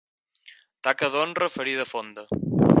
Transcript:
Taca d'honra, ferida fonda.